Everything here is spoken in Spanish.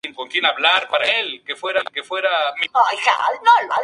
El nombre eslavo es la forma diminuta de Natalia.